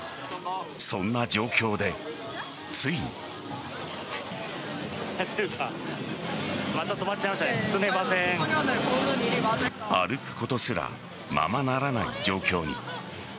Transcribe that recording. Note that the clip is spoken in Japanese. そんな状況で、ついに。歩くことすらままならない状況に。